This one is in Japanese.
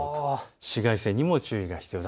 紫外線にも注意が必要。